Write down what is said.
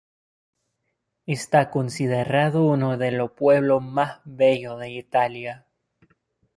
Está considerado uno de los pueblos más bellos de Italia.